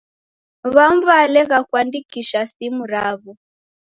W'amu w'elegha kuandikisha simu raw'o.